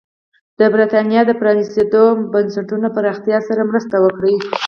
د برېټانیا د پرانېستو بنسټونو پراختیا سره مرسته وکړي.